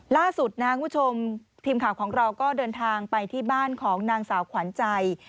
ล่าสุดนะครับคุณผู้ชมทีมข่าวของเราก็เดินทางไปที่บ้านของนางสาวขวัญใจ